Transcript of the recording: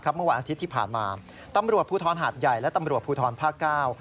เมื่อวันอาทิตย์ที่ผ่านมาตำรวจภูทรหาดใหญ่และตำรวจภูทรภาคเก้า